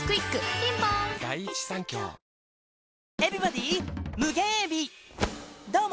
ピンポーンあっ！